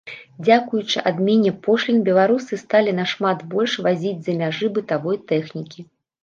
Дзякуючы адмене пошлін беларусы сталі нашмат больш вазіць з-за мяжы бытавой тэхнікі.